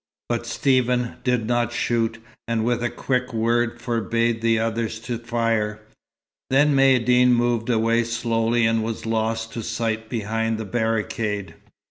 But Stephen did not shoot, and with a quick word forbade the others to fire. Then Maïeddine moved away slowly and was lost to sight behind the barricade.